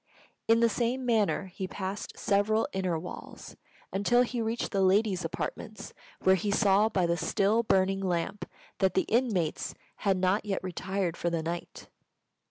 In the same manner he passed several inner walls, until he reached the ladies' apartments, where he saw by the still burning lamp that the inmates had not yet retired for the night.